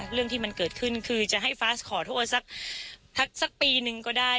เรื่องที่มันเกิดขึ้นคือจะให้ฟ้าสขอโทษสักปีนึงก็ได้